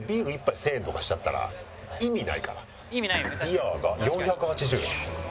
ビアが４８０円。